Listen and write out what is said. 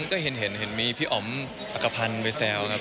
ก็เห็นมีพี่อ๋อมอักภัณฑ์ไปแซวครับ